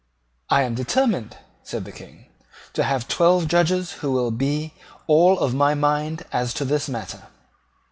"I am determined," said the King, "to have twelve Judges who will be all of my mind as to this matter."